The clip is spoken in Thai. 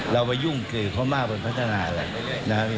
เราไปยุ่งคือเขามากมันพัฒนาอะไรนะครับ